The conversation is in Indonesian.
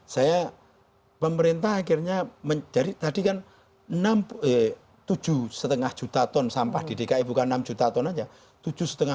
saya pemerintah akhirnya mencari tadi kan tujuh lima juta ton sampah di dki bukan enam juta ton saja